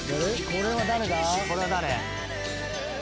これは誰？